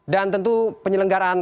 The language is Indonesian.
dan tentu penyelenggaraan